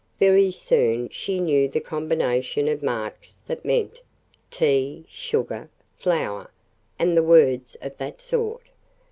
Very soon she knew the combination of marks that meant "tea," "sugar," "flour," and words of that sort.